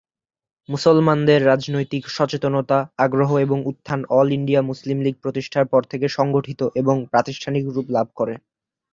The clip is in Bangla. মুসলমানদের রাজনৈতিক সচেতনতা, আগ্রহ এবং উত্থান "অল ইন্ডিয়া মুসলিম লীগ" প্রতিষ্ঠার পর থেকে সংগঠিত এবং প্রাতিষ্ঠানিক রূপ লাভ করে।